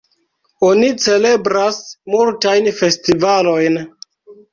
Oni celebras multajn festivalojn.